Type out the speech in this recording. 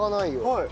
はい。